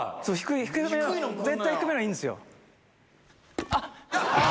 低めのが絶対低めのがいいんですよ。